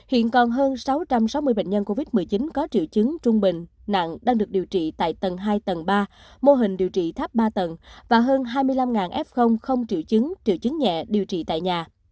hiện còn hơn sáu trăm sáu mươi bệnh nhân covid một mươi chín có triệu chứng trung bình nặng đang được điều trị tại tầng hai tầng ba mô hình điều trị thấp ba tầng và hơn hai mươi năm f không triệu chứng triệu chứng nhẹ điều trị tại nhà